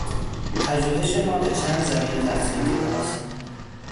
پژوهش ما به چند زمینه تقسیم شده است.